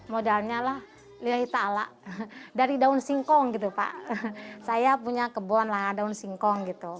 modalnya lah lilahi ta'ala dari daun singkong gitu pak saya punya kebun lah daun singkong gitu